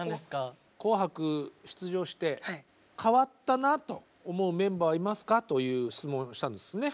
「紅白」出場して変わったなと思うメンバーいますか？という質問をしたんですね。